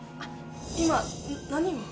今何を？